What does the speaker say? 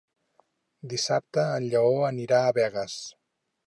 Dissabte en Lleó anirà a Begues.